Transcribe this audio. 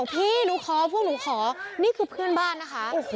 นี่ลูกค้าพวกลูกค้านี่คือเพื่อนบ้านนะคะ